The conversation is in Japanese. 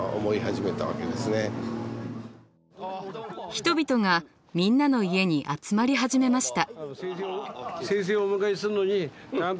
人々がみんなの家に集まり始めました。